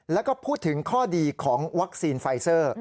แล้วก็พูดถึงข้อดีของวัคซีนไฟเซอร์